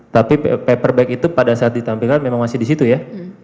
tapi paper bag itu pada saat ditampilkan memang masih di situ ya